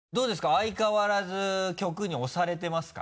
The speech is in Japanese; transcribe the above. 相変わらず局に推されてますか？